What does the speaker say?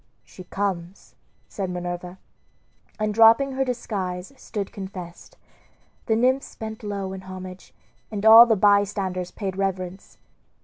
"She comes," said Minerva; and dropping her disguise stood confessed. The nymphs bent low in homage, and all the bystanders paid reverence.